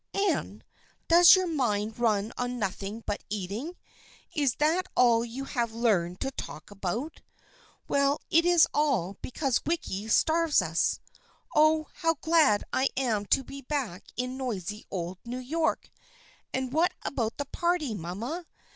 " Anne ! Does your mind run on nothing but eating? Is that all you have learned to talk about ?"" Well, it is all because Wicky starves us. Oh, how glad I am to be back in noisy old New York. And what about the party, mamma?